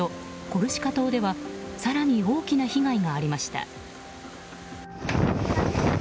コルシカ島では更に大きな被害がありました。